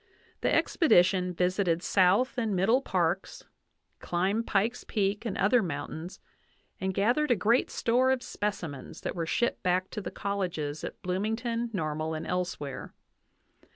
The expedition visited South and Middle Parks, climbed Pikes Peak and other mountains, and gathered a great store of specimens that were shipped back to the colleges at Bloomington, Normal, and elsewhere.